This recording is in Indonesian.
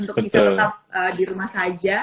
untuk bisa tetap di rumah saja